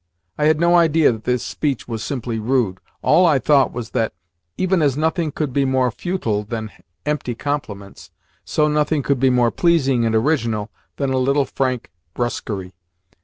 I had no idea that this speech was simply rude; all I thought was that, even as nothing could be more futile than empty compliments, so nothing could be more pleasing and original than a little frank brusquerie.